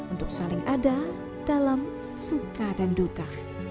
untuk saling ada dalam suka dan duka